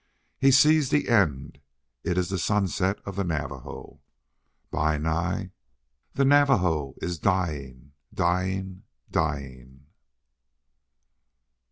He sees the end. It is the sunset of the Navajo.... Bi Nai, the Navajo is dying dying dying!"